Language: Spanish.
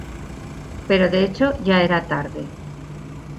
Pero de hecho, ya era tarde.